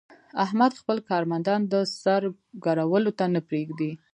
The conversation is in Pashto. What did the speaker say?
احمد خپل کارمندان د سر ګرولو ته نه پرېږي.